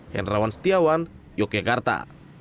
henrawan setiawan yogyakarta